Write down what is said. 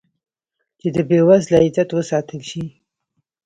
چې د بې وزله عزت وساتل شي.